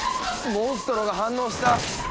モンストロが反応した！